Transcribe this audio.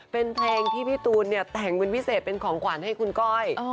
เป็นเพลงที่พี่ตูนเนี่ยแต่งเป็นพิเศษเป็นของขวัญให้คุณก้อย